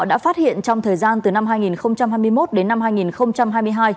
đã phát hiện trong thời gian từ năm hai nghìn hai mươi một đến năm hai nghìn hai mươi hai